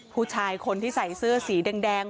ผู้ชายคนที่ใส่เสื้อสีแดง